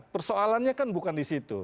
persoalannya kan bukan di situ